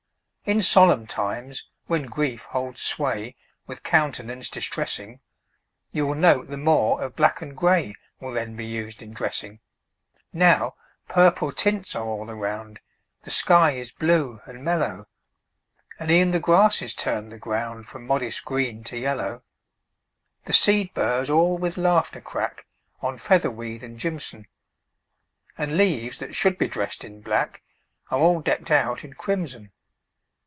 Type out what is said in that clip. In solemn times, when grief holds sway With countenance distressing, You'll note the more of black and gray Will then be used in dressing. Now purple tints are all around; The sky is blue and mellow; And e'en the grasses turn the ground From modest green to yellow. The seed burrs all with laughter crack On featherweed and jimson; And leaves that should be dressed in black Are all decked out in crimson.